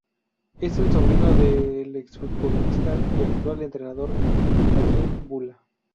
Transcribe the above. Es el sobrino del exfutbolista y actual entrenador Allen Bula.